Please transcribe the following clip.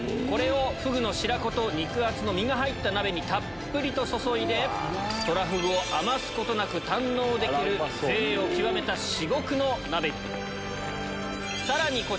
これをフグの白子と肉厚の身が入った鍋にたっぷりと注いでトラフグを余すことなく堪能できる贅を極めた至極の鍋に。